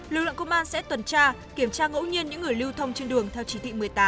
lực lượng công an sẽ tuần tra kiểm tra ngẫu nhiên những người lưu thông trên đường theo chỉ thị một mươi tám